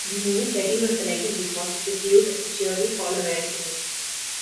The name Betty was selected because it was viewed as a cheery, all-American name.